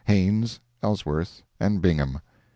Haines, Ellsworth and Bingham.